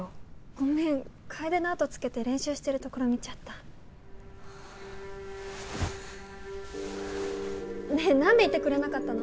ごめん楓のあとをつけて練習してるところ見ちゃったねえ何で言ってくれなかったの？